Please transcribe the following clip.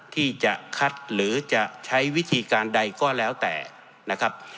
ที่จะคัดหรือจะใช้วิธีการใดก็แล้วแต่นะครับ